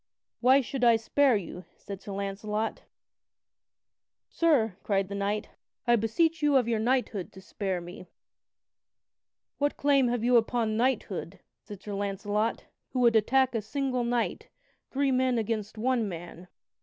"Why should I spare you?" said Sir Launcelot. "Sir," cried the knight, "I beseech you of your knighthood to spare me." "What claim have you upon knighthood," said Sir Launcelot, "who would attack a single knight, three men against one man?"